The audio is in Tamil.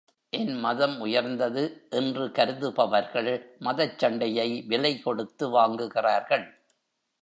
என் மதம் உயர்ந்தது. என்று கருதுபவர்கள், மதச் சண்டையை விலைகொடுத்து வாங்குகிறார்கள்.